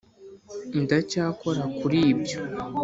ndacyakora kuri ibyo.